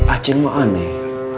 aceh mau aneh